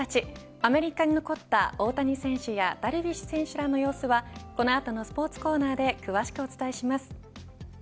アメリカに残った大谷選手やダルビッシュ選手らの様子はこの後のスポーツコーナーで詳しくお伝えします。